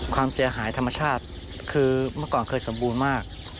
ความเสียหายธรรมชาติคือเมื่อก่อนเคยสมบูรณ์มาก